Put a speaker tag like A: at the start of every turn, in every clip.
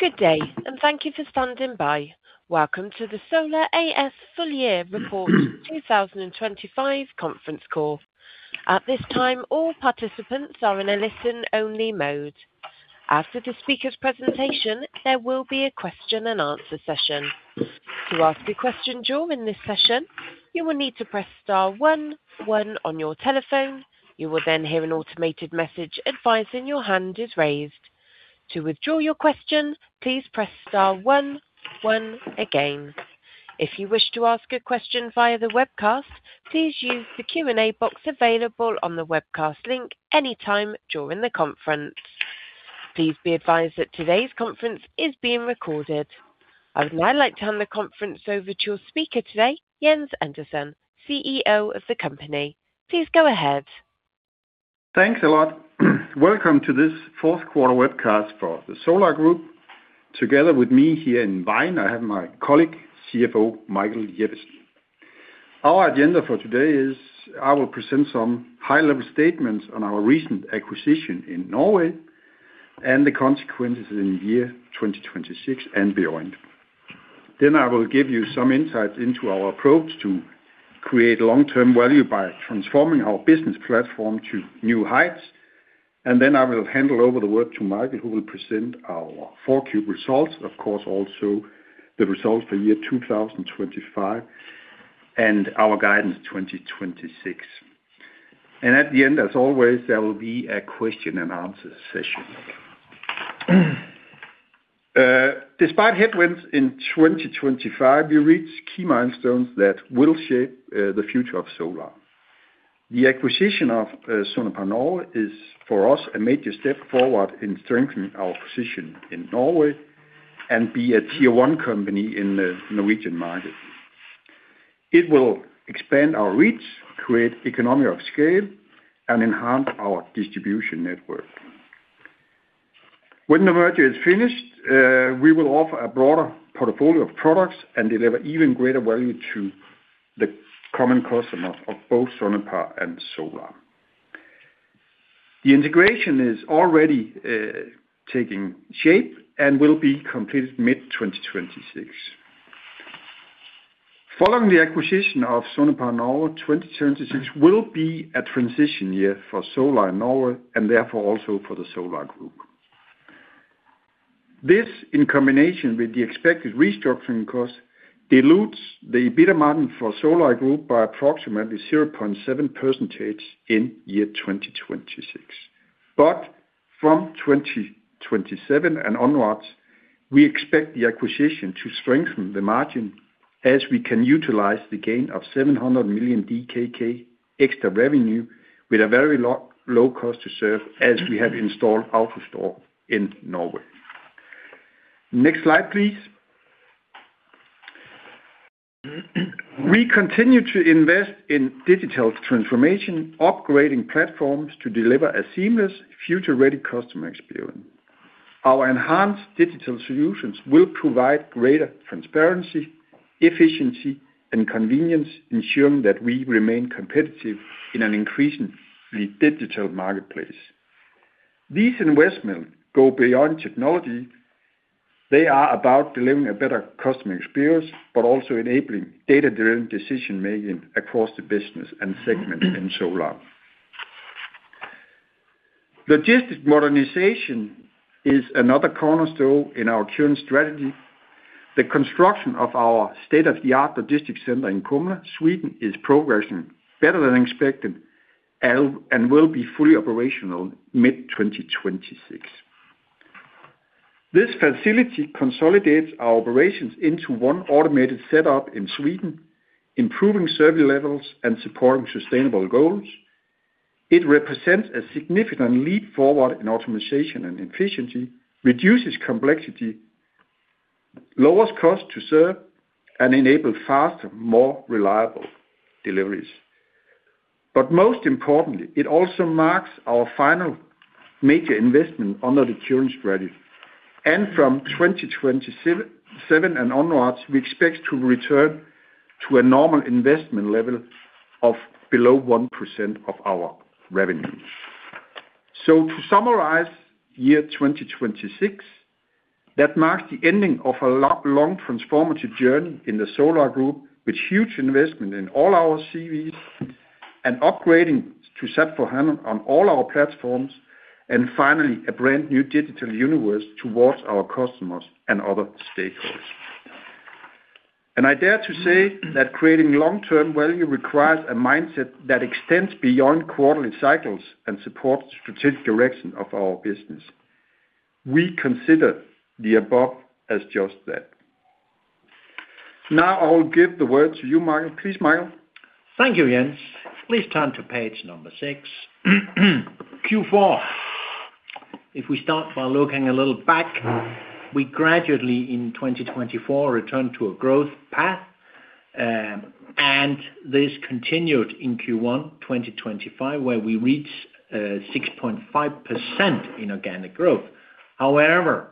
A: Good day, and thank you for standing by. Welcome to the Solar A/S Full Year Report 2025 conference call. At this time, all participants are in a listen-only mode. After the speaker's presentation, there will be a question-and-answer session. To ask a question during this session, you will need to press star one one on your telephone. You will then hear an automated message advising your hand is raised. To withdraw your question, please press star one one again. If you wish to ask a question via the webcast, please use the Q&A box available on the webcast link anytime during the conference. Please be advised that today's conference is being recorded. I would now like to hand the conference over to your speaker today, Jens Andersen, CEO of the company. Please go ahead.
B: Thanks a lot. Welcome to this fourth quarter webcast for the Solar Group. Together with me here in Vejen, I have my colleague, CFO Michael Jeppesen. Our agenda for today is, I will present some high-level statements on our recent acquisition in Norway and the consequences in year 2026 and beyond. Then I will give you some insights into our approach to create long-term value by transforming our business platform to new heights. And then I will hand over the work to Michael, who will present our Q4 results, of course, also the results for year 2025 and our guidance 2026. And at the end, as always, there will be a question-and-answer session. Despite headwinds in 2025, we reach key milestones that will shape the future of solar. The acquisition of Sonepar Norge is, for us, a major step forward in strengthening our position in Norway and be a Tier 1 company in the Norwegian market. It will expand our reach, create economies of scale, and enhance our distribution network. When the merger is finished, we will offer a broader portfolio of products and deliver even greater value to the common customer of both Sonepar Norge and Solar. The integration is already taking shape and will be completed mid-2026. Following the acquisition of Sonepar Norge, 2026 will be a transition year for Solar in Norway and therefore also for the Solar Group. This, in combination with the expected restructuring costs, dilutes the EBITDA margin for Solar Group by approximately 0.7% in year 2026. From 2027 and onwards, we expect the acquisition to strengthen the margin as we can utilize the gain of 700 million DKK extra revenue with a very low cost to serve as we have installed AutoStore in Norway. Next slide, please. We continue to invest in digital transformation, upgrading platforms to deliver a seamless, future-ready customer experience. Our enhanced digital solutions will provide greater transparency, efficiency, and convenience, ensuring that we remain competitive in an increasingly digital marketplace. These investments go beyond technology. They are about delivering a better customer experience but also enabling data-driven decision-making across the business and segments in Solar. Logistics modernization is another cornerstone in our current strategy. The construction of our state-of-the-art logistics center in Kumla, Sweden, is progressing better than expected and will be fully operational mid-2026. This facility consolidates our operations into one automated setup in Sweden, improving service levels and supporting sustainable goals. It represents a significant leap forward in optimization and efficiency, reduces complexity, lowers cost to serve, and enables faster, more reliable deliveries. But most importantly, it also marks our final major investment under the current strategy. And from 2027 and onwards, we expect to return to a normal investment level of below 1% of our revenue. So to summarize year 2026, that marks the ending of a long transformative journey in the Solar Group with huge investment in all our CVs and upgrading to SAP S/4HANA on all our platforms and finally a brand new digital universe towards our customers and other stakeholders. And I dare to say that creating long-term value requires a mindset that extends beyond quarterly cycles and supports the strategic direction of our business. We consider the above as just that. Now I will give the word to you, Michael. Please, Michael.
C: Thank you, Jens. Please turn to page number 6, Q4. If we start by looking a little back, we gradually, in 2024, returned to a growth path. This continued in Q1 2025, where we reached 6.5% in organic growth. However,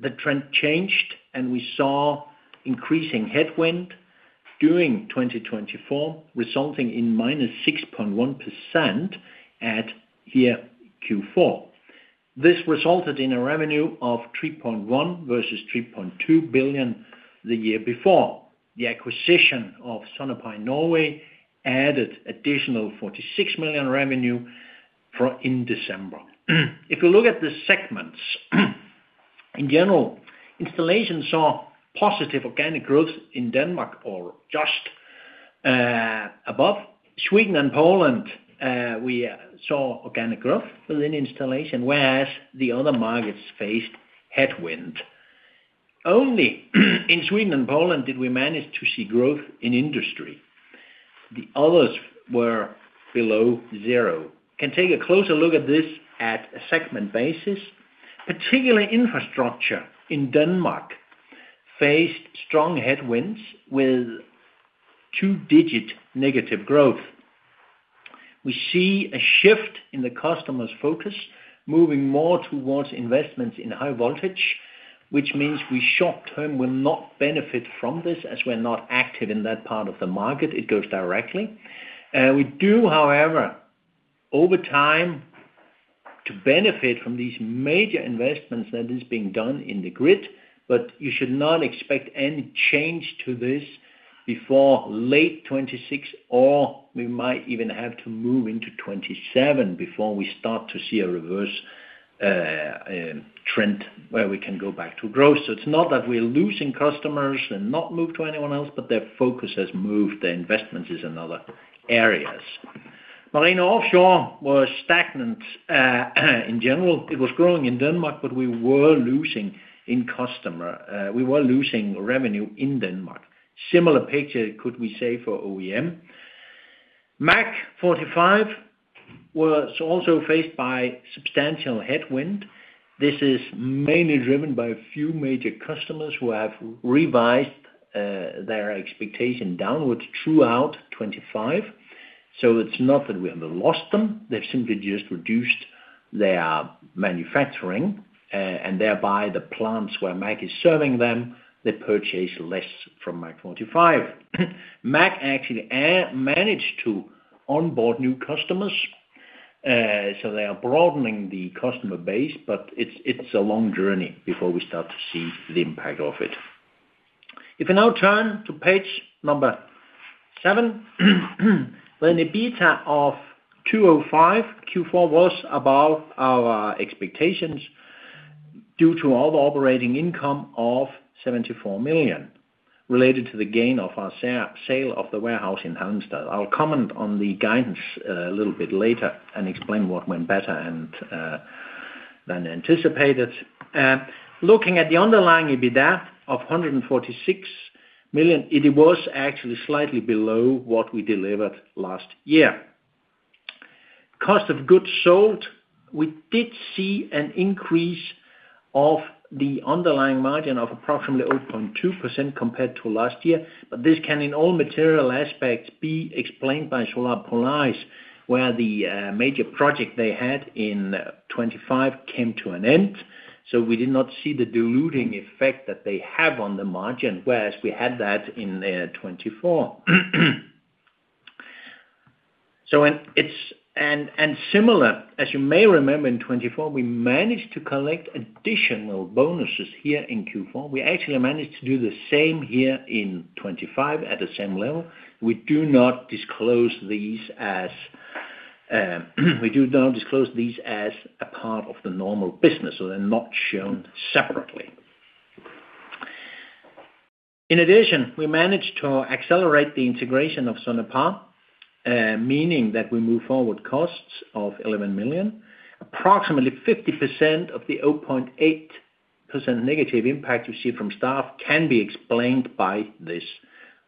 C: the trend changed, and we saw increasing headwind during 2024, resulting in -6.1% at year Q4. This resulted in a revenue of 3.1 billion versus 3.2 billion the year before. The acquisition of Sonepar Norge added additional 46 million revenue in December. If you look at the segments, in general, Installation saw positive organic growth in Denmark or just above. Sweden and Poland, we saw organic growth within Installation, whereas the other markets faced headwind. Only in Sweden and Poland did we manage to see growth in Industry. The others were below zero. Can take a closer look at this at a segment basis. Particularly Infrastructure in Denmark faced strong headwinds with two-digit negative growth. We see a shift in the customer's focus, moving more towards investments in high voltage, which means we short-term will not benefit from this as we're not active in that part of the market. It goes directly. We do, however, over time to benefit from these major investments that is being done in the grid, but you should not expect any change to this before late 2026, or we might even have to move into 2027 before we start to see a reverse trend where we can go back to growth. So it's not that we're losing customers and not move to anyone else, but their focus has moved. Their investment is in other areas. Marine & Offshore was stagnant in general. It was growing in Denmark, but we were losing in customer. We were losing revenue in Denmark. Similar picture could we say for OEM. MAG45 was also faced by substantial headwind. This is mainly driven by a few major customers who have revised their expectation downwards throughout 2025. So it's not that we ever lost them. They've simply just reduced their manufacturing. And thereby, the plants where MAG is serving them, they purchase less from MAG45. MAG actually managed to onboard new customers. So they are broadening the customer base, but it's a long journey before we start to see the impact of it. If we now turn to page 7, then EBITDA of 205 million for Q4 was above our expectations due to our operating income of 74 million related to the gain of our sale of the warehouse in Halmstad. I'll comment on the guidance a little bit later and explain what went better than anticipated. Looking at the underlying EBITDA of 146 million, it was actually slightly below what we delivered last year. Cost of goods sold, we did see an increase of the underlying margin of approximately 0.2% compared to last year. But this can, in all material aspects, be explained by Solar Polaris, where the major project they had in 2025 came to an end. So we did not see the diluting effect that they have on the margin, whereas we had that in 2024. So and similar, as you may remember, in 2024, we managed to collect additional bonuses here in Q4. We actually managed to do the same here in 2025 at the same level. We do not disclose these as we do not disclose these as a part of the normal business, so they're not shown separately. In addition, we managed to accelerate the integration of Sonepar Norge, meaning that we move forward costs of 11 million. Approximately 50% of the 0.8% negative impact you see from staff can be explained by this.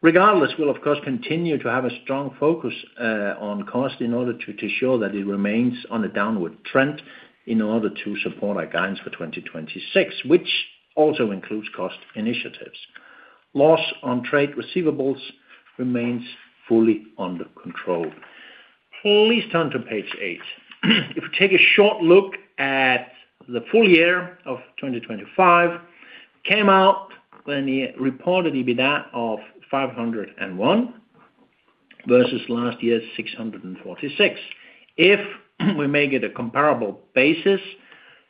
C: Regardless, we'll, of course, continue to have a strong focus on cost in order to ensure that it remains on a downward trend in order to support our guidance for 2026, which also includes cost initiatives. Loss on trade receivables remains fully under control. Please turn to page 8. If we take a short look at the full year of 2025, it came out when we reported EBITDA of 501 versus last year's 646. If we make it a comparable basis,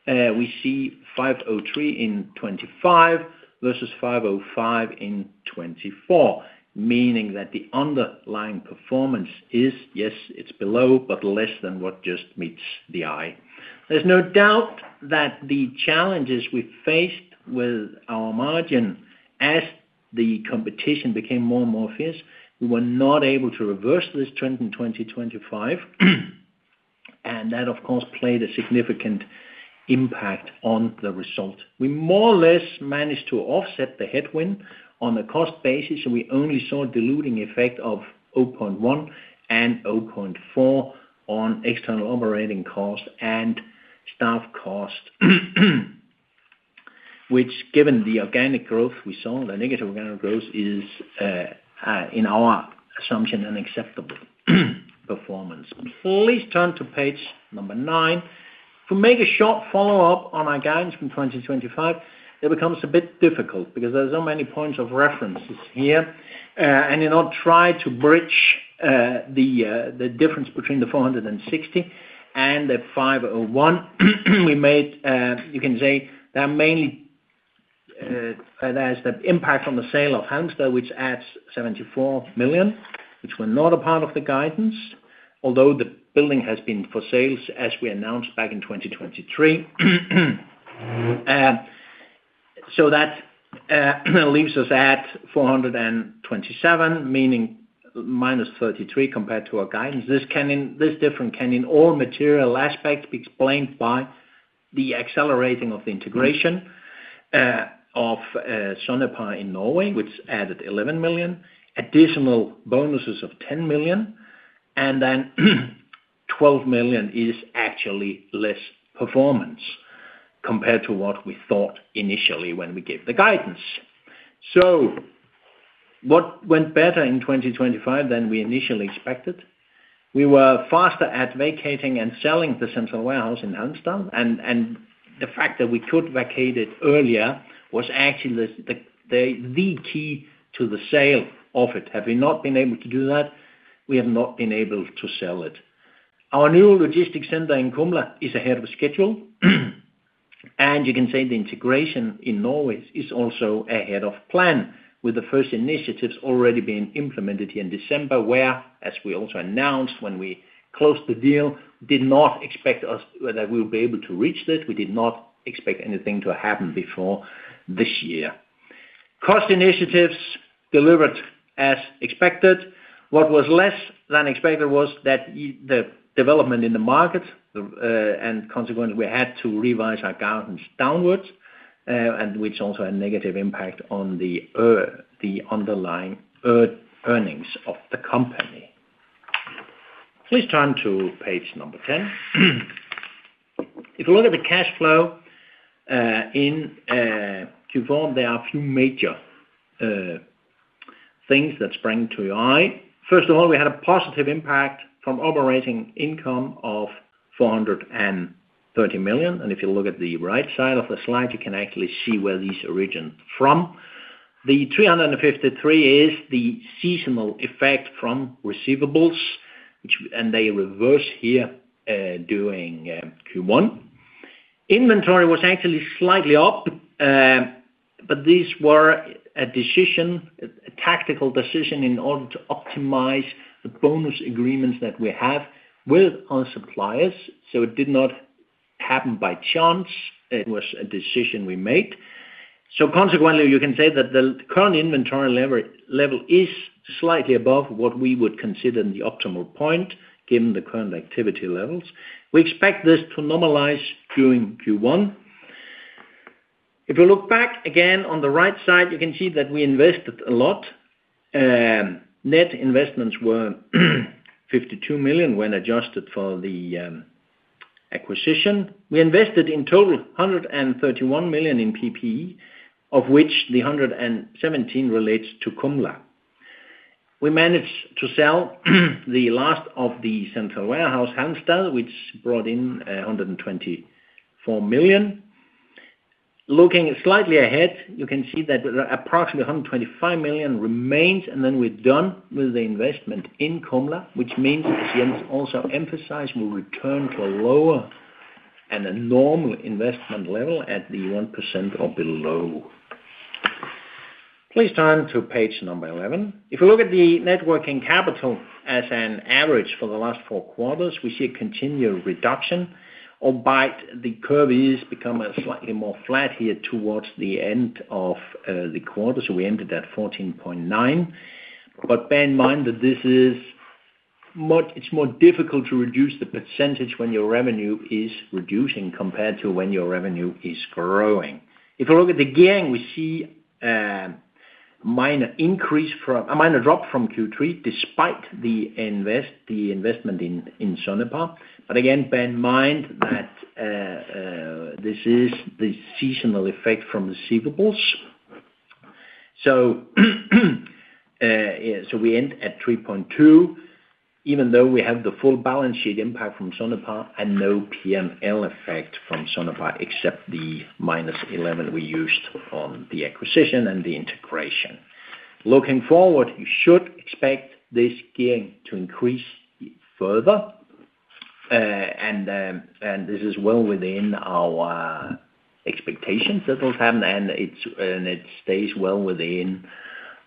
C: we see 503 in 2025 versus 505 in 2024, meaning that the underlying performance is, yes, it's below, but less than what just meets the eye. There's no doubt that the challenges we faced with our margin as the competition became more and more fierce, we were not able to reverse this trend in 2025. And that, of course, played a significant impact on the result. We more or less managed to offset the headwind on a cost basis, and we only saw a diluting effect of 0.1 and 0.4 on external operating cost and staff cost, which, given the organic growth we saw, the negative organic growth is, in our assumption, unacceptable performance. Please turn to page number nine. If we make a short follow-up on our guidance from 2025, it becomes a bit difficult because there are so many points of references here. In order to try to bridge the difference between the 460 million and the 501 million, we made, you can say, there's the impact from the sale of Halmstad, which adds 74 million, which were not a part of the guidance, although the building has been for sale as we announced back in 2023. So that leaves us at 427 million, meaning -33 compared to our guidance. This difference can, in all material aspects, be explained by the accelerating of the integration of Sonepar Norge in Norway, which added 11 million, additional bonuses of 10 million, and then 12 million is actually less performance compared to what we thought initially when we gave the guidance. So what went better in 2025 than we initially expected? We were faster at vacating and selling the central warehouse in Halmstad. The fact that we could vacate it earlier was actually the key to the sale of it. Have we not been able to do that? We have not been able to sell it. Our new logistics center in Kumla is ahead of schedule. You can say the integration in Norway is also ahead of plan, with the first initiatives already being implemented here in December where, as we also announced when we closed the deal, did not expect that we would be able to reach that. We did not expect anything to happen before this year. Cost initiatives delivered as expected. What was less than expected was that the development in the market, and consequently, we had to revise our guidance downwards, which also had a negative impact on the underlying earnings of the company. Please turn to page number 10. If you look at the cash flow in Q4, there are a few major things that sprang to your eye. First of all, we had a positive impact from operating income of 430 million. And if you look at the right side of the slide, you can actually see where these originate from. The 353 is the seasonal effect from receivables, and they reverse here during Q1. Inventory was actually slightly up, but these were a tactical decision in order to optimize the bonus agreements that we have with our suppliers. So it did not happen by chance. It was a decision we made. So consequently, you can say that the current inventory level is slightly above what we would consider the optimal point given the current activity levels. We expect this to normalize during Q1. If you look back again on the right side, you can see that we invested a lot. Net investments were 52 million when adjusted for the acquisition. We invested in total 131 million in PPE, of which the 117 million relates to Kumla. We managed to sell the last of the central warehouses, Halmstad, which brought in 124 million. Looking slightly ahead, you can see that approximately 125 million remains, and then we're done with the investment in Kumla, which means, as Jens also emphasized, we'll return to a lower and a normal investment level at the 1% or below. Please turn to page 11. If you look at the net working capital as an average for the last four quarters, we see a continual reduction, albeit the curve has become slightly more flat here towards the end of the quarter. So we ended at 14.9%. But bear in mind that it's more difficult to reduce the percentage when your revenue is reducing compared to when your revenue is growing. If you look at the gearing, we see a minor drop from Q3 despite the investment in Sonepar Norge. But again, bear in mind that this is the seasonal effect from receivables. So we end at 3.2, even though we have the full balance sheet impact from Sonepar Norge and no P&L effect from Sonepar Norge except the -11 we used on the acquisition and the integration. Looking forward, you should expect this gearing to increase further. And this is well within our expectations that it'll happen, and it stays well within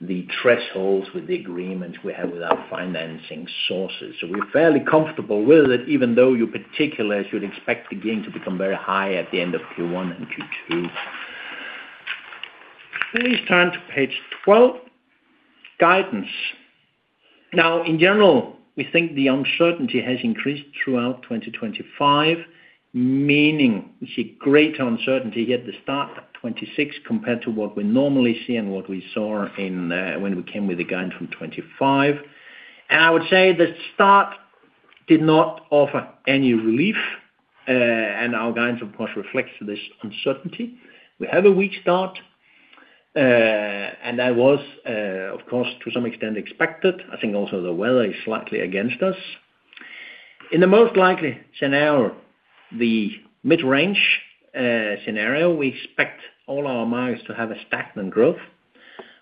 C: the thresholds with the agreements we have with our financing sources. We're fairly comfortable with it, even though you particularly should expect the gain to become very high at the end of Q1 and Q2. Please turn to page 12, guidance. Now, in general, we think the uncertainty has increased throughout 2025, meaning we see greater uncertainty here at the start of 2026 compared to what we normally see and what we saw when we came with the guidance from 2025. I would say the start did not offer any relief. Our guidance, of course, reflects this uncertainty. We have a weak start, and that was, of course, to some extent, expected. I think also the weather is slightly against us. In the most likely scenario, the mid-range scenario, we expect all our markets to have a stagnant growth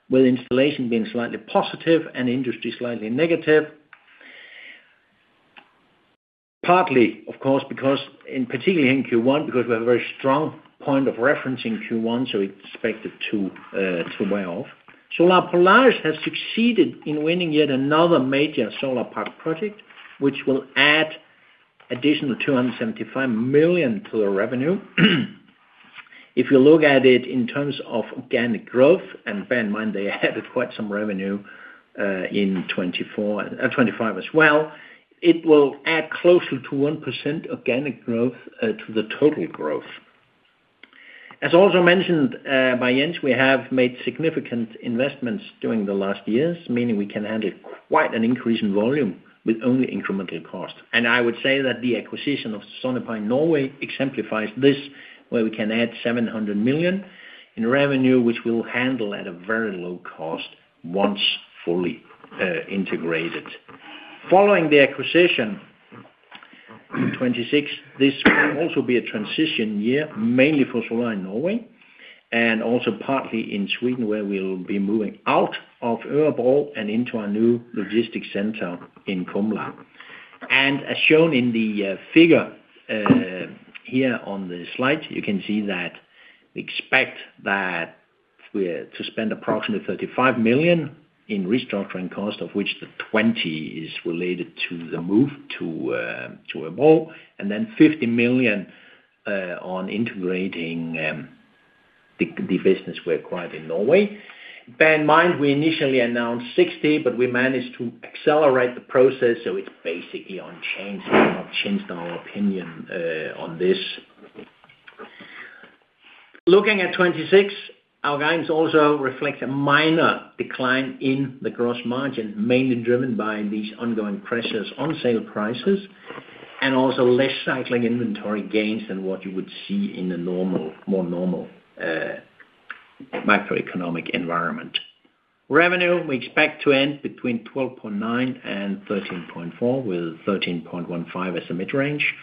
C: with Installation being slightly positive and Industry slightly negative, partly, of course, particularly in Q1 because we have a very strong point of reference in Q1, so we expect it to wear off. Solar Polaris has succeeded in winning yet another major solar park project, which will add additional 275 million to the revenue. If you look at it in terms of organic growth, and bear in mind they added quite some revenue in 2025 as well, it will add closely to 1% organic growth to the total growth. As also mentioned by Jens, we have made significant investments during the last years, meaning we can handle quite an increase in volume with only incremental cost. And I would say that the acquisition of Sonepar Norge in Norway exemplifies this, where we can add 700 million in revenue, which we'll handle at a very low cost once fully integrated. Following the acquisition in 2026, this will also be a transition year, mainly for Solar in Norway and also partly in Sweden, where we'll be moving out of Örebro and into our new logistics center in Kumla. And as shown in the figure here on the slide, you can see that we expect to spend approximately 35 million in restructuring cost, of which the 20 million is related to the move to Örebro, and then 50 million on integrating the business we acquired in Norway. Bear in mind, we initially announced 60 million, but we managed to accelerate the process, so it's basically unchanged. We have not changed our opinion on this. Looking at 2026, our guidance also reflects a minor decline in the gross margin, mainly driven by these ongoing pressures on sale prices and also less cycling inventory gains than what you would see in a more normal macroeconomic environment. Revenue, we expect to end between 12.9-13.4, with 13.15 as the mid-range.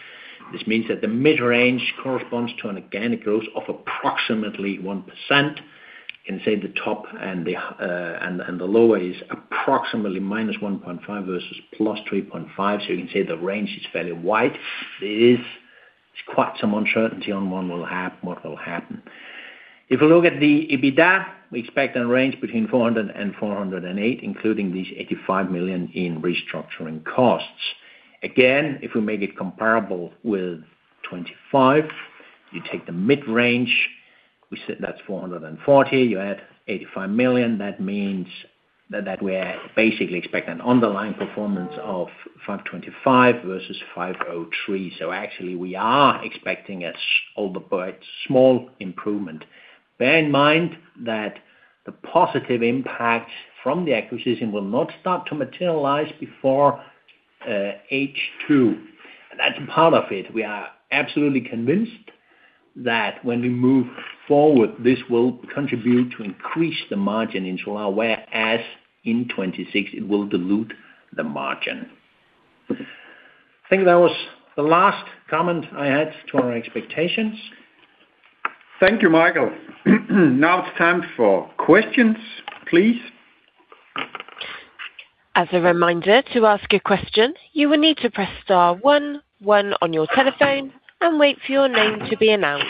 C: This means that the mid-range corresponds to an organic growth of approximately 1%. You can say the top and the lower is approximately -1.5% versus +3.5%. So you can say the range is fairly wide. There is quite some uncertainty on what will happen. If we look at the EBITDA, we expect a range between 400-408, including these 85 million in restructuring costs. Again, if we make it comparable with 2025, you take the mid-range, that's 440, you add 85 million. That means that we basically expect an underlying performance of 525 versus 503. So actually, we are expecting a small improvement. Bear in mind that the positive impact from the acquisition will not start to materialize before H2. And that's part of it. We are absolutely convinced that when we move forward, this will contribute to increase the margin in Solar, whereas in 2026, it will dilute the margin. I think that was the last comment I had to our expectations.
B: Thank you, Michael. Now it's time for questions, please.
A: As a reminder, to ask a question, you will need to press star one one on your telephone and wait for your name to be announced.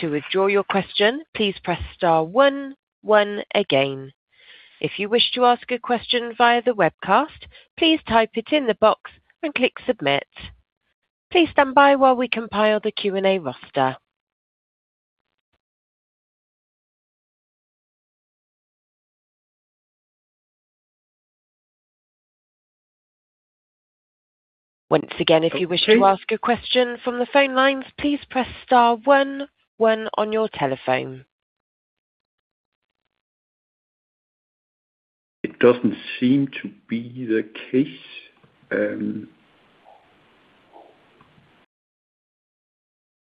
A: To withdraw your question, please press star one one again. If you wish to ask a question via the webcast, please type it in the box and click submit. Please stand by while we compile the Q&A roster. Once again, if you wish to ask a question from the phone lines, please press star one one on your telephone.
B: It doesn't seem to be the case.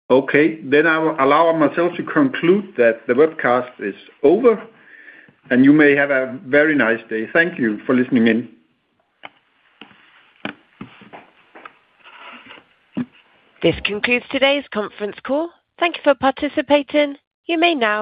B: Okay. Then I will allow myself to conclude that the webcast is over, and you may have a very nice day. Thank you for listening in.
A: This concludes today's conference call. Thank you for participating. You may now disconnect.